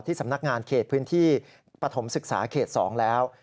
สำนักงานเขตพื้นที่ปฐมศึกษาเขต๒แล้ว